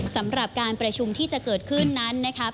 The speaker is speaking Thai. สำหรับการประชุมที่จะเกิดขึ้นนั้นเป็นการประชุมภายในค่ะ